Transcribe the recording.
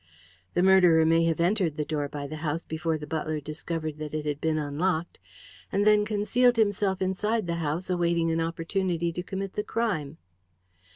"The murderer may have entered by the door before the butler discovered that it had been unlocked, and then concealed himself inside the house awaiting an opportunity to commit the crime."